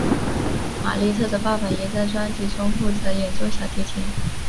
玛莉特的爸爸也在专辑中负责演奏小提琴。